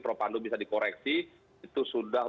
propandu bisa dikoreksi itu sudah